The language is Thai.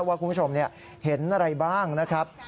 ว่าคุณผู้ชมเนี่ยเห็นอะไรบ้างนะครับ